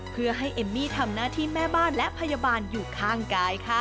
เพื่อให้เอมมี่ทำหน้าที่แม่บ้านและพยาบาลอยู่ข้างกายค่ะ